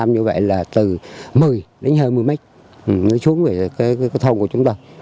nước xuống về thông của chúng ta